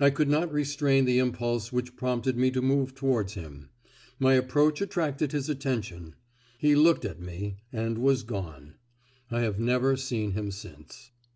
I could not restrain the impulse which prompted me to move towards him. My approach attracted his attention. He looked at me, and was gone. I have never seen him since.